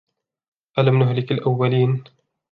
أَلَمْ نُهْلِكِ الْأَوَّلِينَ